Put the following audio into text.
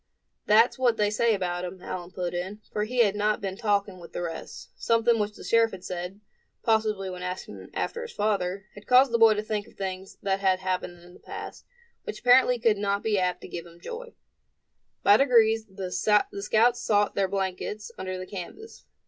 "That's what they say about him," Allan put in; for he had not been talking with the rest; something which the sheriff had said, possibly when asking after his father, had caused the boy to think of things that had happened in the past, which apparently could not be apt to give him joy. By degrees the scouts sought their blankets under the canvas.